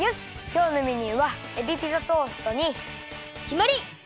きょうのメニューはえびピザトーストにきまり！